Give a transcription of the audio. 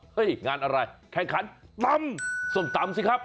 เฮ้ยงานอะไรแข่งขันตำส่วนตำสิครับ